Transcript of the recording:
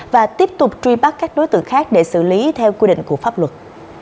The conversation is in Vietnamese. và tiếp tục truy bắt các đối tượng khác để xử lý theo quy định của pháp luật